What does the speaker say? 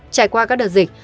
trải qua các đợt dịch